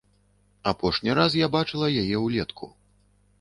Апошні раз я бачыла яе ўлетку.